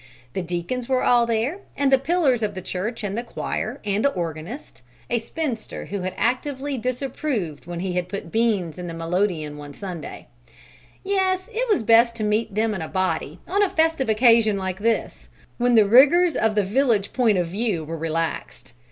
The deacons were all there and the pillars of the church and the choir and the organist a spinster who had actively disapproved when he had put beans in the melodeon one Sunday. Yes, it was best to meet them in a body on a festive occasion like this, when the rigors of the village point of view were relaxed.